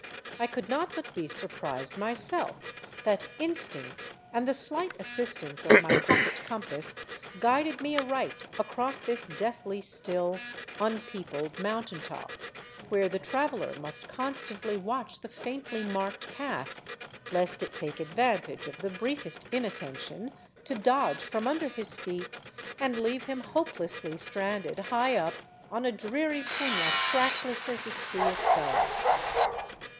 I could not but be surprised myself that instinct and the slight assistance of my pocket compass guided me aright across this deathly still, unpeopled mountain top, where the traveler must constantly watch the faintly marked path, lest it take advantage of the briefest in attention to dodge from under his feet and leave him hopelessly stranded high up on a dreary puna trackless as the sea itself.